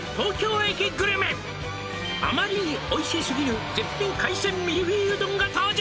「あまりにおいしすぎる絶品海鮮ミルフィーユ丼が登場」